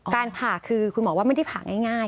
การผ่าคือคุณหมอว่าไม่ได้ผ่าง่าย